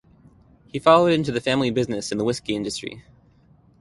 He followed into the family business in the whisky industry.